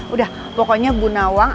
udah pokoknya bu nawang